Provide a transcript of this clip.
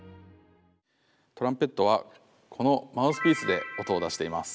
トランペットはこのマウスピースで音を出しています。